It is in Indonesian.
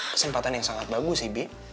kesempatan yang sangat bagus sih bi